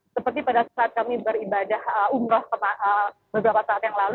seperti pada saat kami beribadah umroh beberapa saat yang lalu